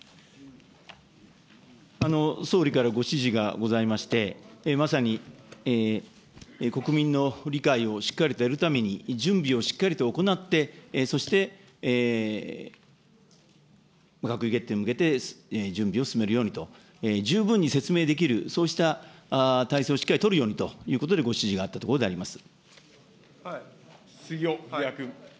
総理からご指示がございまして、まさに国民の理解をしっかりと得るために、準備をしっかりと行って、そして閣議決定に向けて準備を進めるようにと、十分に説明できる、そうした体制をしっかり取るようにということで、ご指示があった杉尾秀哉君。